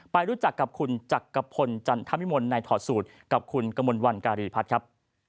ไปรู้จักกับคุณจักรพลจันทมิมลในถอดสูตรกับคุณกมลวันการีพัฒน์ครับ